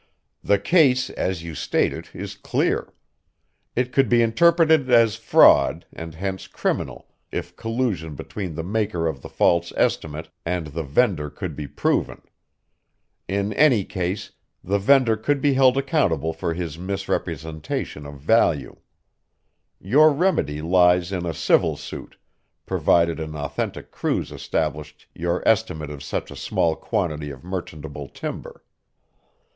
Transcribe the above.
"The case, as you state it, is clear. It could be interpreted as fraud and hence criminal if collusion between the maker of the false estimate and the vendor could be proven. In any case the vendor could be held accountable for his misrepresentation of value. Your remedy lies in a civil suit provided an authentic cruise established your estimate of such a small quantity of merchantable timber.